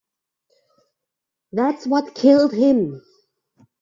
That's what killed him.